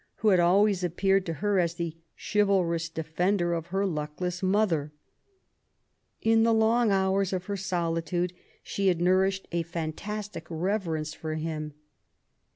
who had always appeared to her as the chivalrous defender of her luckless mother. In the long hours of her solitude she had nourished a fantastic reverence for him.